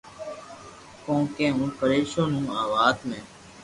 ڪون ڪي ھون پريݾون ھون آ وات ۾